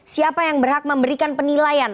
siapa yang berhak memberikan penilaian